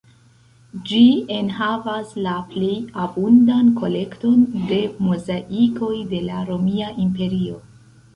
Ĝi enhavas la plej abundan kolekton de mozaikoj de la romia imperio.